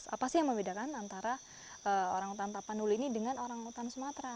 apa sih yang membedakan antara orangutan tapanuli ini dengan orangutan sumatera